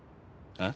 あっ？